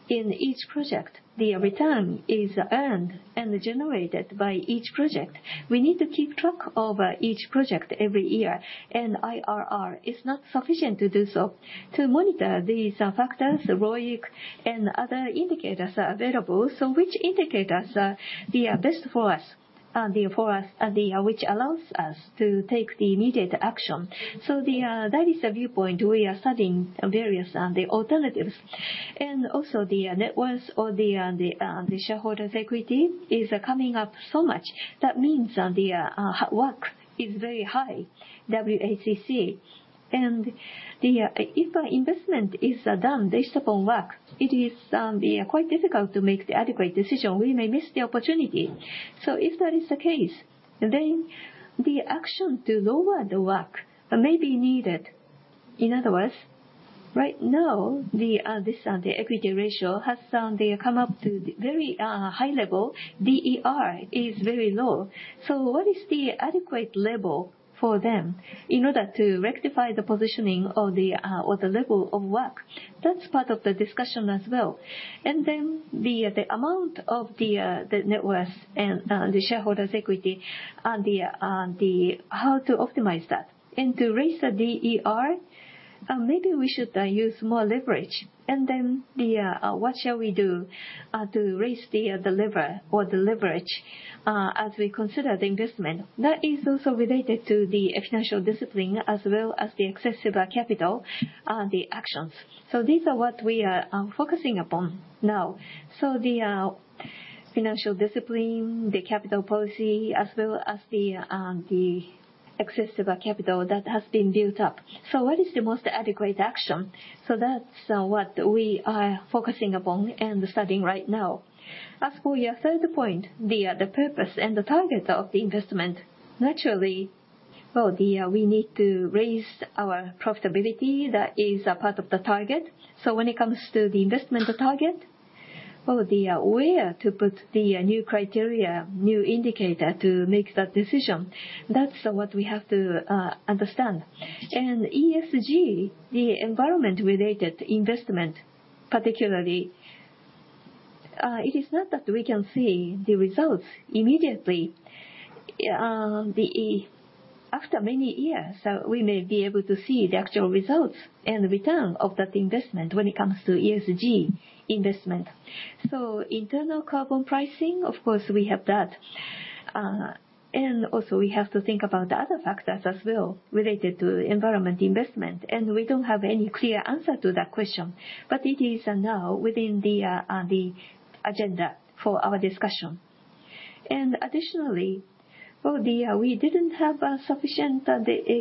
Speaker 4: in each project the return is earned and generated by each project. We need to keep track of each project every year, and IRR is not sufficient to do so. To monitor these factors, ROIC and other indicators are available. Which indicators are the best for us, which allows us to take the immediate action. That is the viewpoint. We are studying various alternatives. Also, net worth or the shareholders' equity is coming up so much. That means the WACC is very high, WACC. If investment is done based upon WACC, it is quite difficult to make the adequate decision. We may miss the opportunity. If that is the case, then the action to lower the WACC may be needed. In other words, right now, the equity ratio has come up to very high level. DER is very low. What is the adequate level for them in order to rectify the positioning of the or the level of WACC? That's part of the discussion as well. The amount of the net worth and the shareholders' equity and how to optimize that. To raise the DER, maybe we should use more leverage. What shall we do to raise the lever or the leverage as we consider the investment. That is also related to the financial discipline as well as the excessive capital actions. These are what we are focusing upon now. The financial discipline, the capital policy, as well as the excessive capital that has been built up. What is the most adequate action? That's what we are focusing upon and studying right now. As for your third point, the purpose and the target of the investment, naturally, well, we need to raise our profitability. That is a part of the target. When it comes to the investment target, well, where to put the new criteria, new indicator to make that decision, that's what we have to understand. ESG, the environment-related investment particularly, it is not that we can see the results immediately. After many years, we may be able to see the actual results and return of that investment when it comes to ESG investment. Internal carbon pricing, of course, we have that. Also we have to think about the other factors as well related to environmental investment, and we don't have any clear answer to that question. It is now within the agenda for our discussion. Additionally, well, we didn't have a sufficient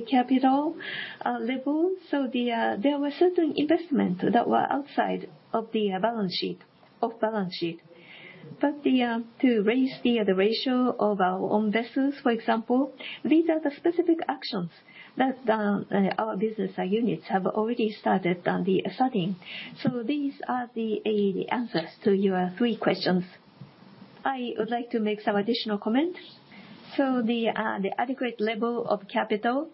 Speaker 4: capital level, so there were certain investments that were outside of the balance sheet, off balance sheet. To raise the ratio of our own vessels, for example, these are the specific actions that our business units have already started on the studying. These are the answers to your three questions.
Speaker 1: I would like to make some additional comments. The adequate level of capital,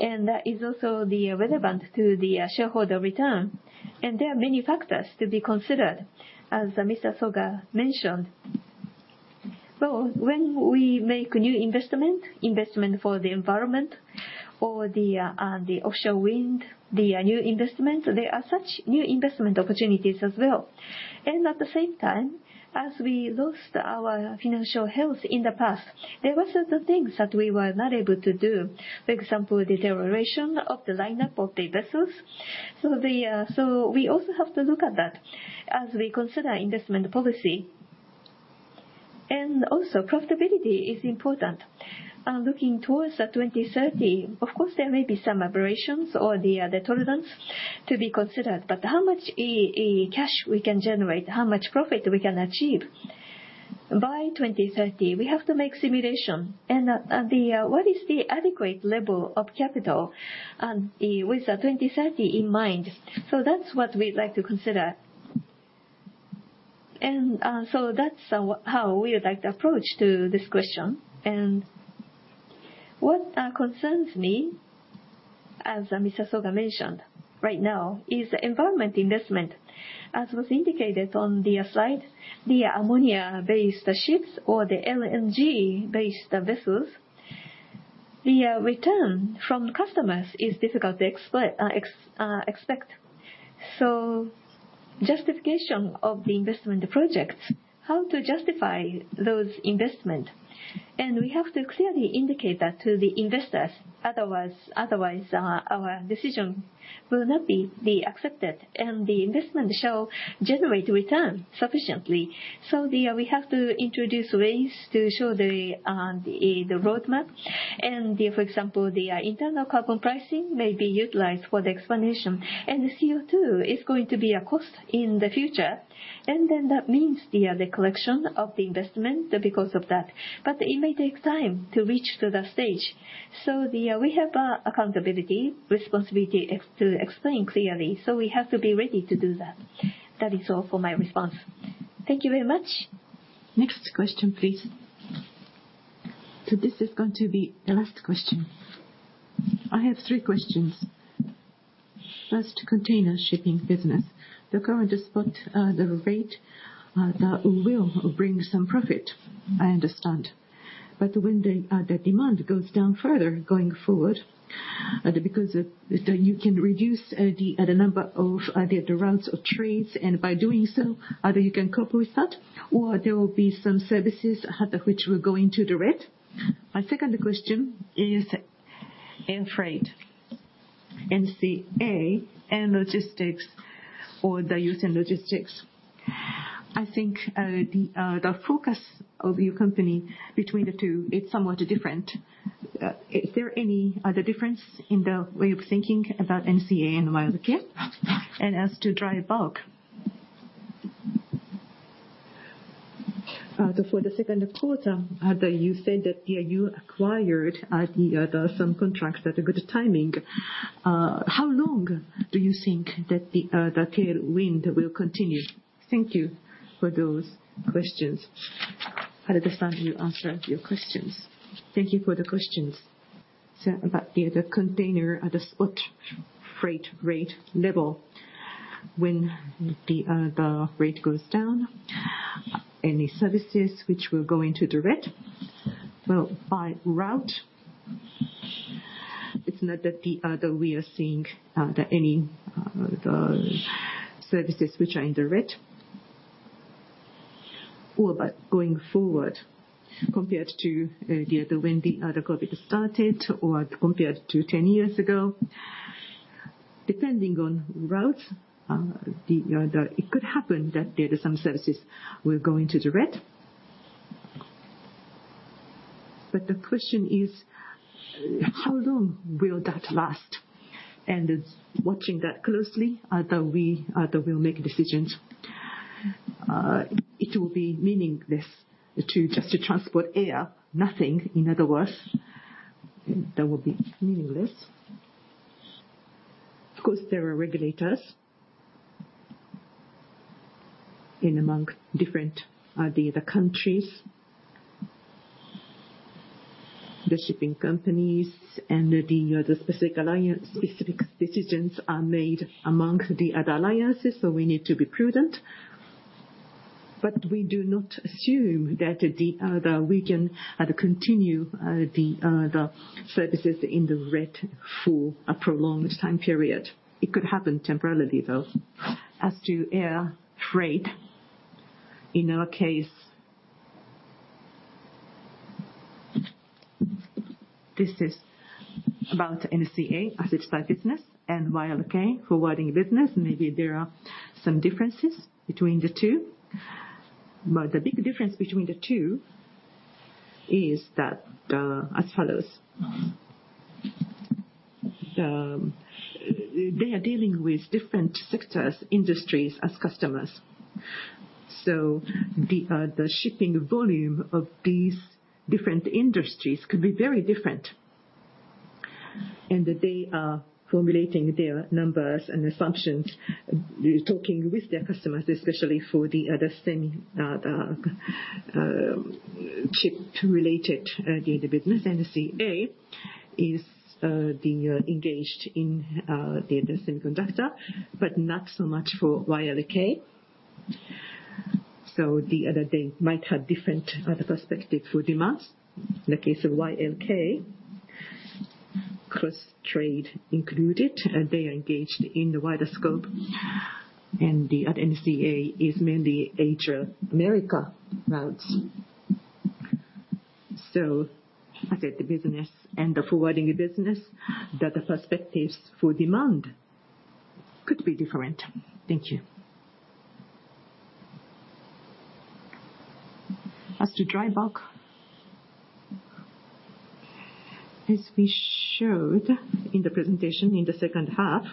Speaker 1: and that is also the relevant to the shareholder return. There are many factors to be considered, as Mr. Soga mentioned. When we make new investment for the environment or the offshore wind, there are such new investment opportunities as well. At the same time, as we lost our financial health in the past, there were certain things that we were not able to do. For example, the deterioration of the lineup of the vessels. We also have to look at that as we consider investment policy. Profitability is important. Looking towards 2030, of course there may be some aberrations or the tolerance to be considered, but how much cash we can generate, how much profit we can achieve by 2030, we have to make simulation. What is the adequate level of capital with 2030 in mind? That's what we'd like to consider. That's how we would like to approach to this question. What concerns me, as Mr. Soga mentioned, right now is environmental investment. As was indicated on the slide, the ammonia-based ships or the LNG-based vessels, the return from customers is difficult to expect. Justification of the investment projects, how to justify those investment, and we have to clearly indicate that to the investors. Otherwise, our decision will not be accepted, and the investment shall generate return sufficiently. We have to introduce ways to show the roadmap. For example, the internal carbon pricing may be utilized for the explanation. The CO2 is going to be a cost in the future. Then that means the collection of the investment because of that. It may take time to reach to that stage. We have accountability, responsibility to explain clearly, so we have to be ready to do that. That is all for my response. Thank you very much. Next question, please. This is going to be the last question.
Speaker 8: I have three questions. First, container shipping business. The current spot, the rate, that will bring some profit, I understand. But when the demand goes down further going forward, because you can reduce the number of the routes of trades, and by doing so, either you can cope with that or there will be some services, which will go into the red. My second question is air freight, NCA and Yusen logistics. I think, the focus of your company between the two is somewhat different. Is there any other difference in the way of thinking about NCA and Yusen Logistics? As to Dry Bulk, for the second quarter, you said that, yeah, you acquired some contracts at a good timing. How long do you think that the tailwind will continue? Thank you for those questions. I'll let the staff here answer your questions.
Speaker 3: Thank you for the questions. About the other container at the spot freight rate level, when the rate goes down, any services which will go into the red. Well, by route, it's not that we are seeing any services which are in the red. Or going forward compared to when the COVID started or compared to 10 years ago, depending on route, it could happen that there are some services which will go into the red. The question is, how long will that last? Watching that closely, we'll make decisions. It will be meaningless to just transport air, nothing. In other words, that would be meaningless. Of course, there are regulators among different countries. The shipping companies and the specific alliance, specific decisions are made amongst the other alliances, so we need to be prudent. We do not assume that we can continue the services in the red for a prolonged time period. It could happen temporarily, though. As to air freight, in our case, this is about NCA, asset-type business, and Yusen Logistics, forwarding business. Maybe there are some differences between the two, but the big difference between the two is that, as follows. They are dealing with different sectors, industries as customers. The shipping volume of these different industries could be very different. They are formulating their numbers and assumptions, talking with their customers, especially for the other semi, the chip-related, the business. NCA is engaged in the semiconductor, but not so much for NYK. They might have different perspective for demands. In the case of NYK, cross-trade included, they are engaged in the wider scope, and NCA is mainly Asia-America routes. I said the business and the forwarding business, that the perspectives for demand could be different. Thank you.
Speaker 4: As to Dry Bulk, as we showed in the presentation in the second half,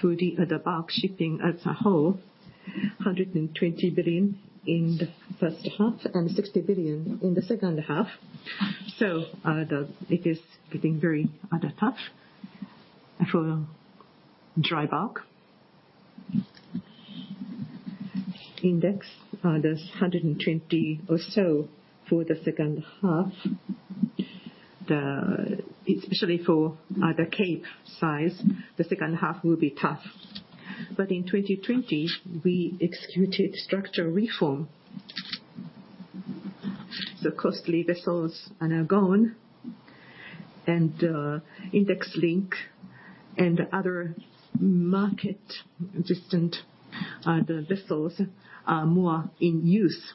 Speaker 4: for the Bulk Shipping as a whole, 120 billion in the first half and 60 billion in the second half. It is getting very tough for Dry Bulk. Index, there's 120 or so for the second half. Especially for the capesize, the second half will be tough. In 2020, we executed structural reform. The costly vessels are now gone, and index-linked and other market-resistant vessels are more in use.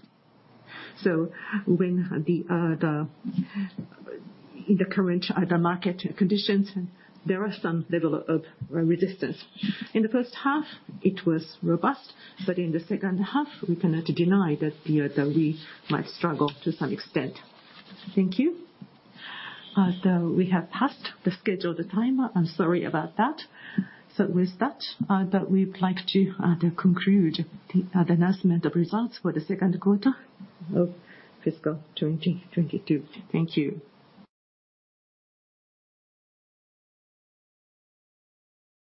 Speaker 4: In the current market conditions, there is some level of resistance. In the first half, it was robust, but in the second half, we cannot deny that we might struggle to some extent. Thank you.
Speaker 1: We have passed the scheduled time. I'm sorry about that. With that, we would like to conclude the announcement of results for the second quarter of fiscal 2022. Thank you.